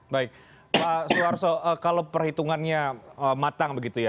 baik pak suarso kalau perhitungannya matang begitu ya